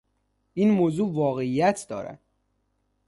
این موضوع واقعیت دارد.